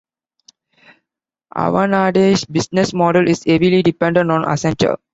Avanade's business model is heavily dependent on Accenture.